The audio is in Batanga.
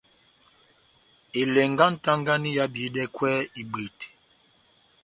Elɛngɛ yá nʼtagani ehábihidɛkwɛ ibwete.